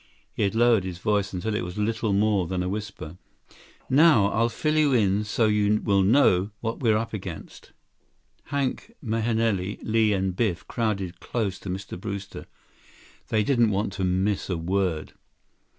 He had lowered his voice until it was little more than a whisper. "Now I'll fill you in so you will all know what we're up against." Hank Mahenili, Li, and Biff crowded close to Mr. Brewster. They didn't want to miss a word.